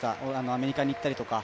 アメリカに行ったりとか。